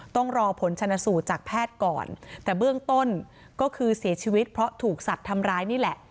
ต้องรอผลชนสูตรจากแพทย์ก่อนแต่เบื้องต้นก็คือเสียชีวิตเพราะถูกสัตว์ทำร้ายนี่แหละ